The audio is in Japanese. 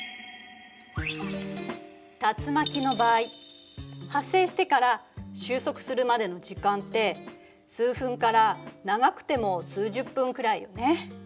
竜巻の場合発生してから収束するまでの時間って数分から長くても数十分くらいよね。